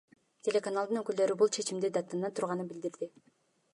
Телеканалдын өкүлдөрү бул чечимди даттана турганын билдиришти.